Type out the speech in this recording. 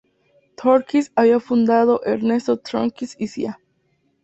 Tornquist había fundado "Ernesto Tornquist y Cía.